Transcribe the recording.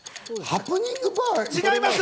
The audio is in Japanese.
ハプニングバー。